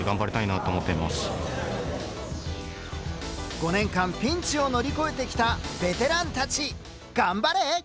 ５年間ピンチを乗り越えてきたベテランたち。